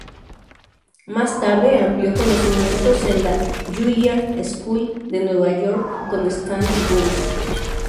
Más tarde amplió conocimientos en la Juilliard School de Nueva York con Stanley Wolfe.